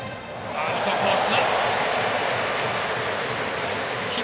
アウトコース